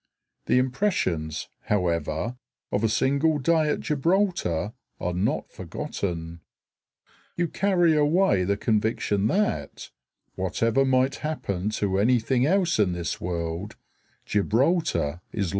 The impressions, however, of a single day at Gibraltar are not forgotten. You carry away the conviction that, whatever might happen to anything else in this world, Gibraltar is likely to stay.